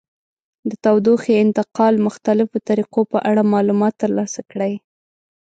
د تودوخې انتقال مختلفو طریقو په اړه معلومات ترلاسه کړئ.